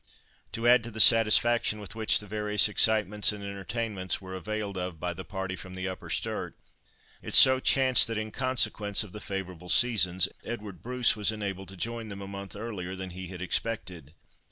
To add to the satisfaction with which the various excitements and entertainments were availed of by the party from the Upper Sturt, it so chanced that, in consequence of the favourable seasons Edward Bruce was enabled to join them a month earlier than he had expected.